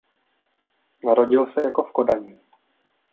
Narodil se jako v Kodani.